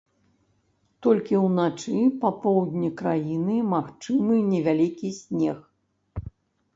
Толькі ўначы па поўдні краіны магчымы невялікі снег.